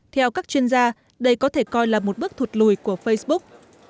theo các chuyên gia đây có thể coi là một bước thụt lùi của facebook